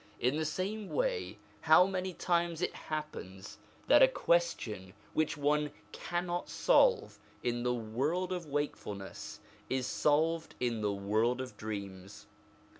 In the same way, how many times it happens that a question which one cannot solve in the world of wakefulness, is solved in the world of dreams.